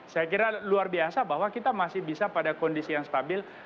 saya kira luar biasa bahwa kita masih bisa pada kondisi yang stabil